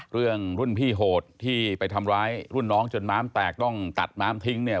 เรื่องรุ่นพี่โหดที่ไปทำร้ายรุ่นน้องจนม้ามแตกต้องตัดม้ามทิ้งเนี่ย